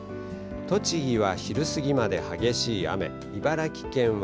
栃木は昼過ぎまで激しい雨、茨城県は